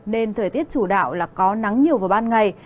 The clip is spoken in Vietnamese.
nên thời tiết chủ đạo là có nắng nhiều vào ban ngày